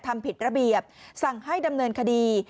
ทำผิดระเบียบสั่งให้ดำเนินคดี